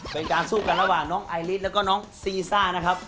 เป็นการสู้กันระหว่างน้องไอลิสแล้วก็น้องซีซ่านะครับ